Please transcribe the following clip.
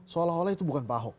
seolah olah itu bukan pak ahok